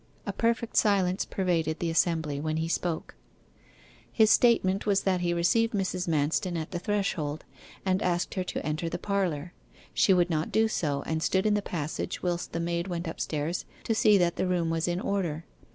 A perfect silence pervaded the assembly when he spoke. His statement was that he received Mrs. Manston at the threshold, and asked her to enter the parlour. She would not do so, and stood in the passage whilst the maid went upstairs to see that the room was in order.